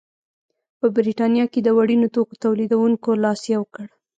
په برېټانیا کې د وړینو توکو تولیدوونکو لاس یو کړ.